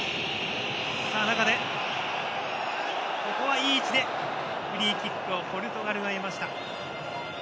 いい位置でフリーキックをポルトガルが得ました。